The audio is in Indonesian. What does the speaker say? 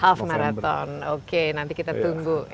alf marathon oke nanti kita tunggu